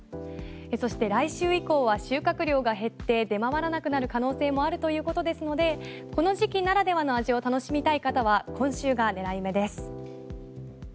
そして来週以降は収穫量が減って出回らなくなる可能性もあるということですのでこの時期ならではの味を楽しみたい方は今週が狙い目です。